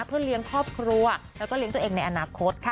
เพื่อเลี้ยงครอบครัวแล้วก็เลี้ยงตัวเองในอนาคตค่ะ